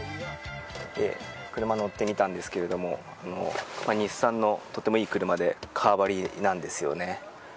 車に乗ってみたんですけれども日産のとてもいい車で革張りなんですよね。